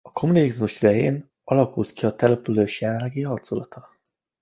A kommunizmus idején alakult ki a település jelenlegi arculata.